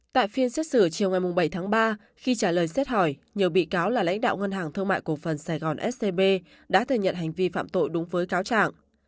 tại phiên xét xử chiều ngày bảy tháng ba khi trả lời xét hỏi nhiều bị cáo là lãnh đạo ngân hàng thương mại cổ phần sài gòn scb đã thừa nhận hành vi phạm tội đúng với cáo trạng